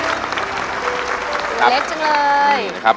สวยเล็กจังเลย